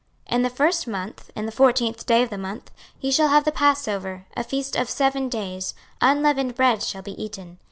26:045:021 In the first month, in the fourteenth day of the month, ye shall have the passover, a feast of seven days; unleavened bread shall be eaten.